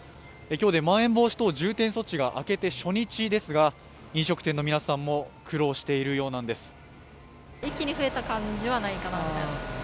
今日でまん延防止措置が解除されて初日ですが飲食店の皆さんも苦労しているようなんです。